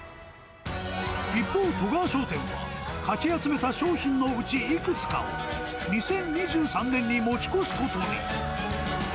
一方、外川商店は、かき集めた商品のうちいくつかを、２０２３年に持ち越すことに。